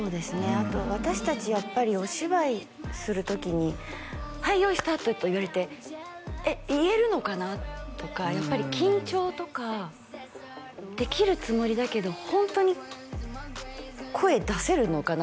あと私達やっぱりお芝居する時に「はい用意スタート！」と言われて「えっ言えるのかな？」とかやっぱり緊張とかできるつもりだけどホントに声出せるのかな？